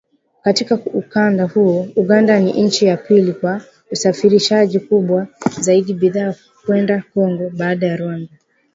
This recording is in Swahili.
Katika ukanda huo, Uganda ni nchi ya pili kwa usafirishaji mkubwa zaidi wa bidhaa kwenda Kongo, baada ya Rwanda.